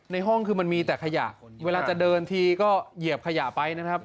ห้องคือมันมีแต่ขยะเวลาจะเดินทีก็เหยียบขยะไปนะครับ